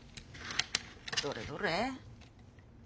どれどれ？